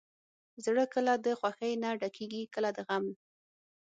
زړه کله د خوښۍ نه ډکېږي، کله د غم.